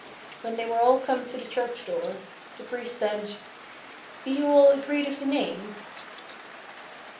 When they were all come to the church–door, the priest said— "Be you all agreed of the name?"